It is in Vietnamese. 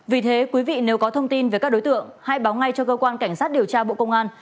vì thế quý vị nếu có thông tin về các đối tượng hãy báo ngay cho cơ quan cảnh sát điều tra bộ công an